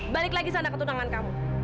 balik lagi sana ke tunangan kamu